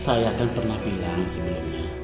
saya kan pernah bilang sebelumnya